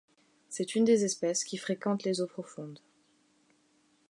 C'est une des espèces qui fréquentent les eaux profondes.